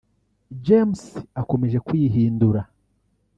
James akomeje kwihindura